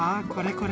これ！